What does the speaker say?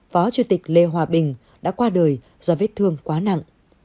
phó chủ tịch lê hòa bình đã qua đời do vết thương quá nặng